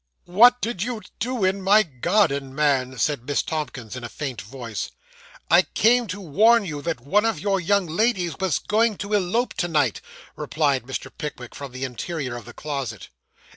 'What did you do in my garden, man?' said Miss Tomkins, in a faint voice. 'I came to warn you that one of your young ladies was going to elope to night,' replied Mr. Pickwick, from the interior of the closet.